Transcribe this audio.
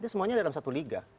semuanya dalam satu liga